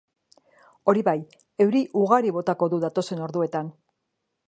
Hori bai, euri ugari botako du datozen orduetan.